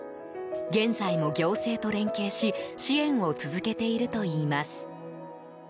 現在も行政と連携し支援を続けているといいます。